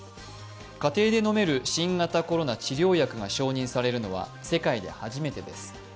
家庭で飲める新型コロナ治療薬が承認されるのは世界で初めてです。